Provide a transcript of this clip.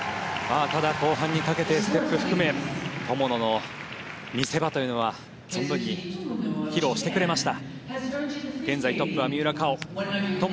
ただ、後半にかけてステップを含め友野の見せ場というのは存分に披露してくれました。